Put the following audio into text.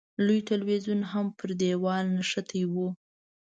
لوی تلویزیون هم پر دېوال نښتی و.